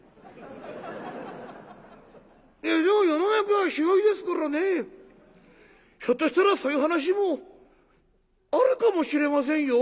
「いやでも世の中は広いですからねひょっとしたらそういう話もあるかもしれませんよ」。